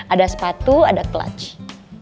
ada sepatu ada clutch